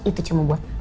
itu cuma buat